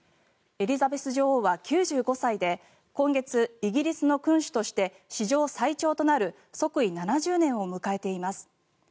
エリザベス女王は９５歳で今月、イギリスの君主として史上最長となる即位７０年を迎えています。